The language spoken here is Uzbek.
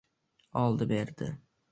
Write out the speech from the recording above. Oldi-berdi.